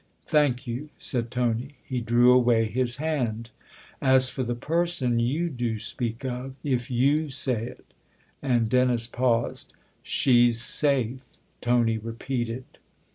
" Thank you," said Tony. He drew away his hand, (( As for the person you do speak of, if you say it " and Dennis paused. (( She's safe," Tony repeated.